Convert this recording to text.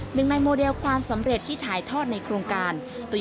หนึ่งในโมเดลความสำเร็จที่ถ่ายทอดในโครงการ